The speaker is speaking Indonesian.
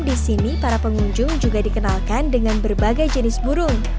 di sini para pengunjung juga dikenalkan dengan berbagai jenis burung